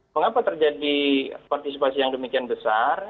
mengapa terjadi partisipasi yang demikian besar